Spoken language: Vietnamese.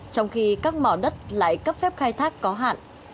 trong khi các mỏ đất lại cấp phép khai thác có hạn